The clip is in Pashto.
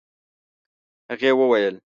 هغې وويل: